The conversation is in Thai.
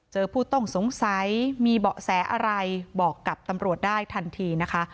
ผู้ต้องสงสัยมีเบาะแสอะไรบอกกับตำรวจได้ทันทีนะคะ